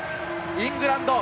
イングランド。